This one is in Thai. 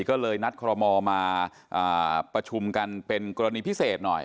ก็เลยนัดคอรมอลมาประชุมกันเป็นกรณีพิเศษหน่อย